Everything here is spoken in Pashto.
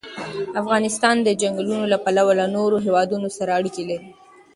افغانستان د چنګلونه له پلوه له نورو هېوادونو سره اړیکې لري.